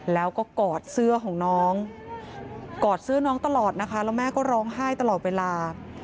แล้วก็กอดเสื้อของน้องกอดเสื้อน้องตลอดนะคะแล้วแม่ก็ร้องไห้ตลอดเวลา